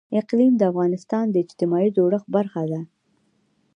اقلیم د افغانستان د اجتماعي جوړښت برخه ده.